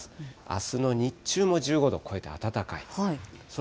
あすの日中も１５度を超えて暖かい。